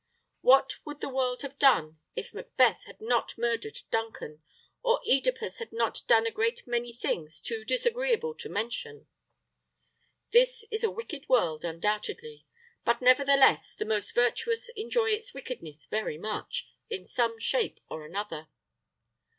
What would the world have done if Macbeth had not murdered Duncan, or [OE]dipus had not done a great many things too disagreeable to mention? This is a wicked world, undoubtedly; but, nevertheless, the most virtuous enjoy its wickedness very much, in some shape or another.